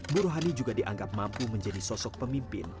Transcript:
bu rohani juga dianggap mampu menjadi sosok pemimpin